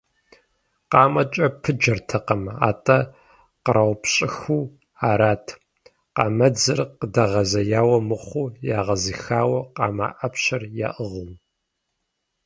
КъамэкӀэ пыджэртэкъым, атӀэ къраупщӀэхыу арат, къамэдзэр къыдэгъэзеяуэ мыхъуу, егъэзыхауэ, къамэ Ӏэпщэр яӀыгъыу.